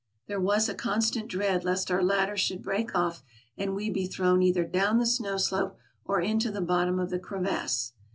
There was a constant dread lest our ladder should break off, and we be thrown either down the snow slope or into the bottom of the crevasse.